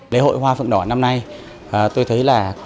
lễ hội hoa phượng đỏ năm nay tôi thấy là